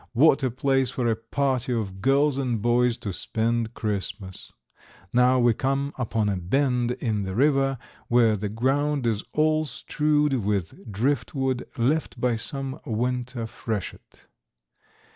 What a place for a party of girls and boys to spend Christmas. Now we come upon a bend in the river where the ground is all strewed with driftwood left by some winter freshet.